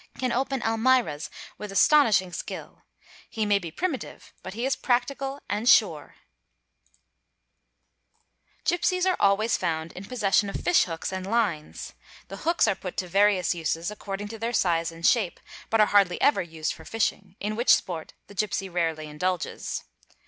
can open almirahs with astonishing 'Skill: he may be primitive but he is practical and sure. 47 370 WANDERING TRIBES Gipsies are always found in possession of fishhooks and lines. The — hooks are put to various uses according to their size and shape but are — hardly ever used for fishing, in which sport the gipsy rarely indulges.